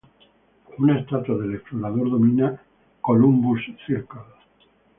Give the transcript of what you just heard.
Una estatua del explorador domina "Columbus Circle".